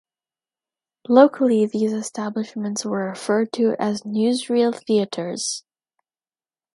Locally these establishments were referred to as newsreel theatre’s.